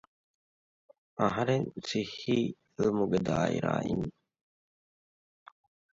އަހަރެން ސިއްހީ އިލްމުގެ ދާއިރާއިން